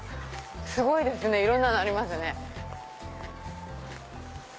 すごいですねいろんなのありますね。